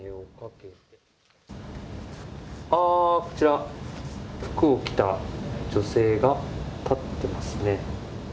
あっ、こちら、服を着た女性が立ってますね。